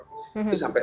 itu sampai sekarang